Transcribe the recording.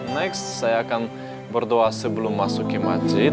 next saya akan berdoa sebelum masuk ke masjid